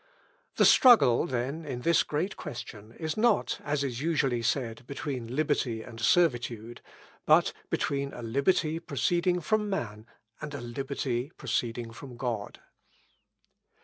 The struggle, then, in this great question, is not, as is usually said, between liberty and servitude; but between a liberty proceeding from man, and a liberty proceeding from God.